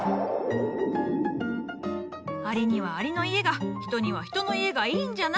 アリにはアリの家が人には人の家がいいんじゃな。